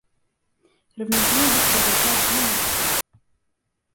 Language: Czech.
Rovněž jemu bych chtěl popřát vše nejlepší.